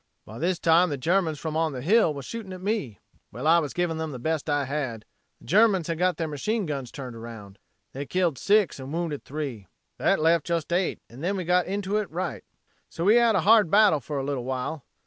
"By this time the Germans from on the hill was shooting at me. Well I was giving them the best I had. "The Germans had got their machine guns turned around. "They killed 6 and wounded 3. That just left 8 and then we got into it right. So we had a hard battle for a little while.